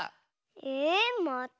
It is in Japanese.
えまた？